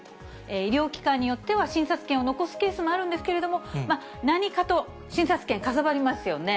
医療機関によっては、診察券を残すケースもあるんですけど、何かと診察券かさばりますよね。